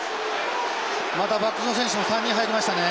またバックスの選手も３人入りましたね。